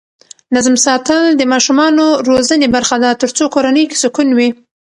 نظم ساتل د ماشومانو روزنې برخه ده ترڅو کورنۍ کې سکون وي.